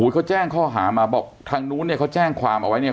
เขาแจ้งข้อหามาบอกทางนู้นเนี่ยเขาแจ้งความเอาไว้เนี่ย